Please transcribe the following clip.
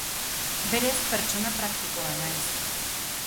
Berez pertsona praktikoa naiz.